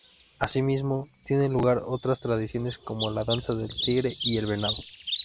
Asimismo, tienen lugar otras tradiciones como la danza del tigre y el venado.